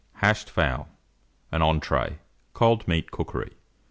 HASHED FOWL an Entree (Cold Meat Cookery).